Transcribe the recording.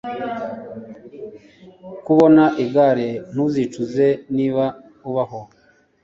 Kubona igare. Ntuzicuza, niba ubaho.